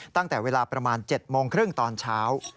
ตั้งแต่เวลาประมาณ๗โมงครึ่งตอนเช้า